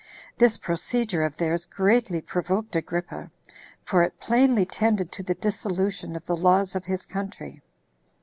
This procedure of theirs greatly provoked Agrippa; for it plainly tended to the dissolution of the laws of his country.